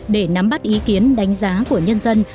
để nắm bắt ý kiến đánh giá của nhân dân